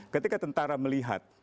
ketika tentara melihat